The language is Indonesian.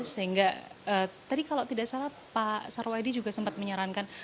sehingga tadi kalau tidak salah pak sarwaydi juga sempat menyarankan